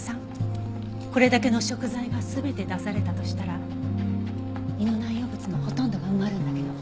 これだけの食材が全て出されたとしたら胃の内容物のほとんどが埋まるんだけど。